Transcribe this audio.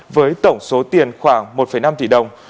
với tổng số tiền khoảng một năm tỷ đồng